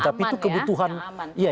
yang aman ya